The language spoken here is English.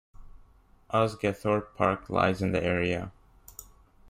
Osgathorpe Park lies in the area.